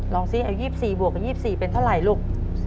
ลองซิ๒๔บวกกับ๒๔เป็นเท่าไหร่ลูก